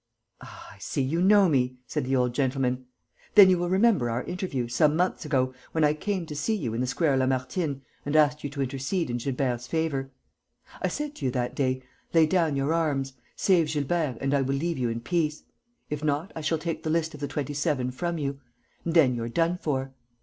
"Ah, I see you know me!" said the old gentleman. "Then you will remember our interview, some months ago, when I came to see you in the Square Lamartine and asked you to intercede in Gilbert's favour. I said to you that day, 'Lay down your arms, save Gilbert and I will leave you in peace. If not, I shall take the list of the Twenty seven from you; and then you're done for.